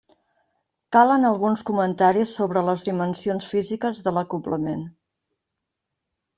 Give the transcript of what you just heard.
Calen alguns comentaris sobre les dimensions físiques de l'acoblament.